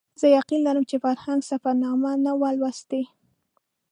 زه یقین لرم چې فرهنګ سفرنامه نه وه لوستې.